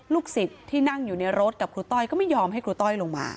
ศิษย์ที่นั่งอยู่ในรถกับครูต้อยก็ไม่ยอมให้ครูต้อยลงมา